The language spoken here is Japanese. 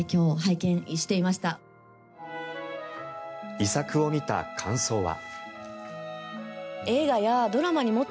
遺作を見た感想は。